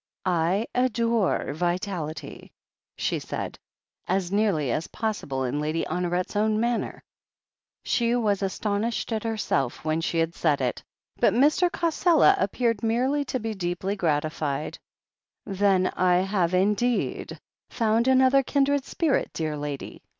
"I adore vitality," she said, as nearly as possible in Lady Honoret's own manner. She was.astonished at herself when she had said it, but Mr. Cassela appeared merely to be deeply grati fied. "Then I have indeed found another kindred spirit, dear lady!"